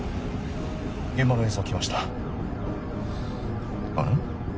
現場の映像来ましたあれ？